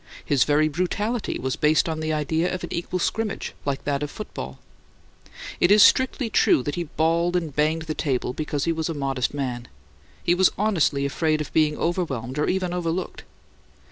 His very brutality was based on the idea of an equal scrimmage, like that of football. It is strictly true that he bawled and banged the table because he was a modest man. He was honestly afraid of being overwhelmed or even overlooked.